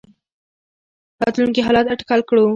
راتلونکي حالات اټکل کړو.